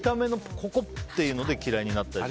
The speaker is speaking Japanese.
ここってところで嫌いになったりする。